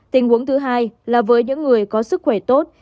tình huống thứ hai là với những người có sức khỏe tốt